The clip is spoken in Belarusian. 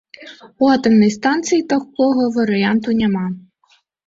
У атамнай станцыі такога варыянту няма.